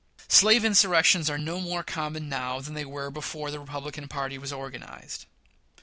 Slave insurrections are no more common now than they were before the Republican party was organized.